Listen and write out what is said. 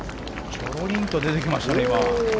ちょろりんと出てきましたね、今。